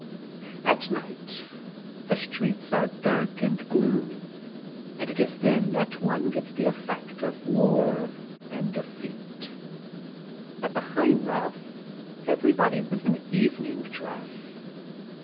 At night the streets are dark and gloomy, and it is then that one gets the effect of war and defeat. At the Heinroth everybody was in evening dress.